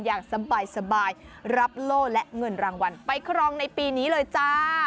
อย่างสบายรับโล่และเงินรางวัลไปครองในปีนี้เลยจ้า